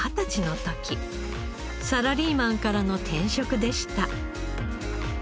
サラリーマンからの転職でした。